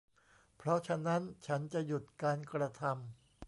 เพราะฉะนั้นฉันจะหยุดการกระทำ